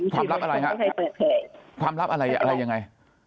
ลับอะไรฮะความลับอะไรอะไรยังไง